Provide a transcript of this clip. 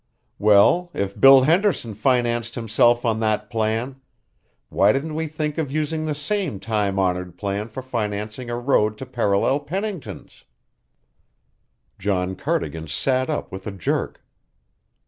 "Well, if Bill Henderson financed himself on that plan, why didn't we think of using the same time honoured plan for financing a road to parallel Pennington's?" John Cardigan sat up with a jerk.